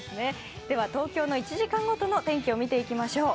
東京の１時間ごとの天気を見ていきましょう。